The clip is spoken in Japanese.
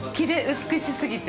美しすぎて。